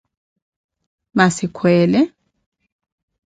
Massi kweele ?